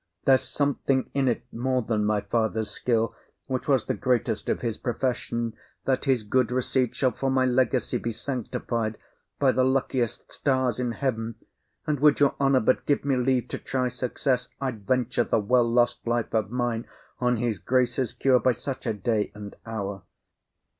There's something in't More than my father's skill, which was the great'st Of his profession, that his good receipt Shall for my legacy be sanctified By th' luckiest stars in heaven; and would your honour But give me leave to try success, I'd venture The well lost life of mine on his grace's cure. By such a day, an hour.